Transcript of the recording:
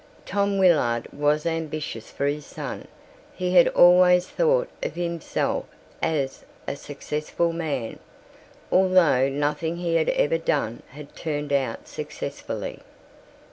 Tom Willard was ambitious for his son. He had always thought of himself as a successful man, although nothing he had ever done had turned out successfully.